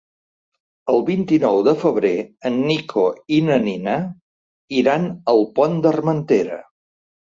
El vint-i-nou de febrer en Nico i na Nina iran al Pont d'Armentera.